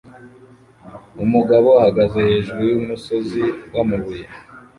Umugabo ahagaze hejuru yumusozi wamabuye